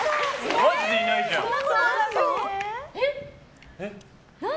マジでいないじゃん。